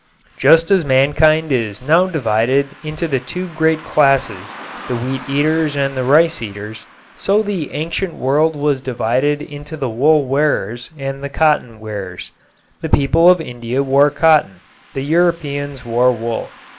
Just as mankind is now divided into the two great classes, the wheat eaters and the rice eaters, so the ancient world was divided into the wool wearers and the cotton wearers. The people of India wore cotton; the Europeans wore wool.